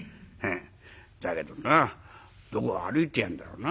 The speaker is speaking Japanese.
だけどなどこ歩いてやんだろうな。